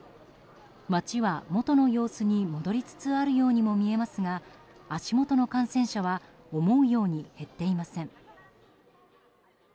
街は元の様子に戻りつつあるようにも見えますが足元の感染者は思うように減っていません。